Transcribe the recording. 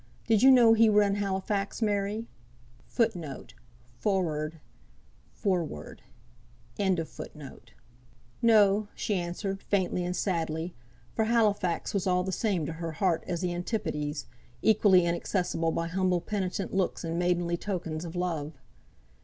Did you know he were in Halifax, Mary?" [Footnote 41: "Forrard," forward.] "No;" she answered, faintly and sadly; for Halifax was all the same to her heart as the Antipodes; equally inaccessible by humble penitent looks and maidenly tokens of love.